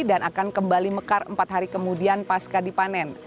dan akan kembali mekar empat hari kemudian pasca dipanen